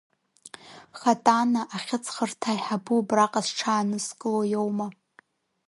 Хатана ахьыҵхырҭа аиҳабы убраҟа зҽаанызкыло иоума.